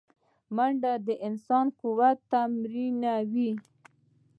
منډه د انسان قوت تمرینوي